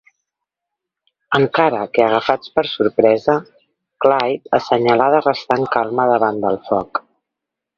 Encara que agafats per sorpresa, Clyde assenyalà de restar en calma davant del foc.